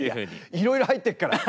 いろいろ入ってるから！